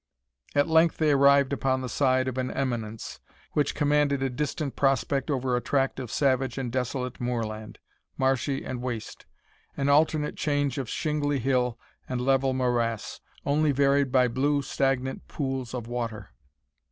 At length they arrived upon the side of an eminence, which commanded a distant prospect over a tract of savage and desolate moorland, marshy and waste an alternate change of shingly hill and level morass, only varied by blue stagnant pools of water.